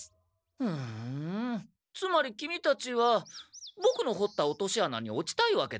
ふんつまりキミたちはボクのほった落とし穴に落ちたいわけだね？